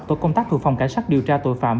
tổ công tác thuộc phòng cảnh sát điều tra tội phạm